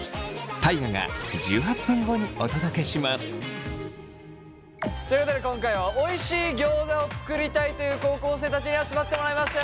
大我がということで今回はおいしいギョーザを作りたいという高校生たちに集まってもらいました。